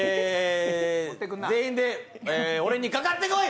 全員で俺にかかってこい！